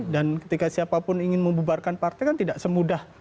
dan ketika siapa pun ingin membebarkan partai kan tidak semudah